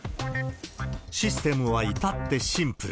システムは至ってシンプル。